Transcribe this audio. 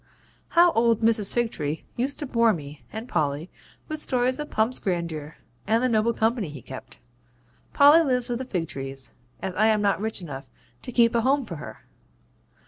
How old Mrs. Figtree used to bore me and Polly with stories of Pump's grandeur and the noble company he kept! Polly lives with the Figtrees, as I am not rich enough to keep a home for her.